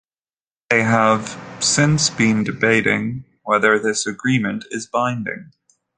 They have since then been debating whether this agreement is binding.